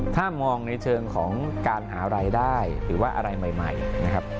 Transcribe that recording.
ถ้ามองในเชิงของการหารายได้หรือว่าอะไรใหม่นะครับ